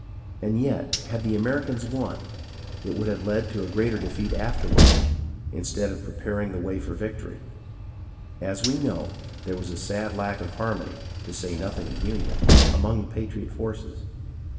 And yet had the Americans won, it would have led to a greater defeat afterward, instead of preparing the way for victory. As we know, there was a sad lack of harmony, to say nothing of union, among the patriot forces.